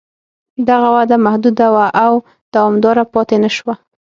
دغه وده محدوده وه او دوامداره پاتې نه شوه